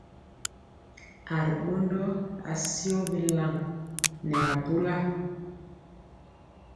A ri ɓondɔ asiyɔ bilaŋ nɛ abula.